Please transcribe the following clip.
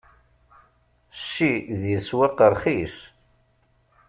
Cci di leswaq ṛxis.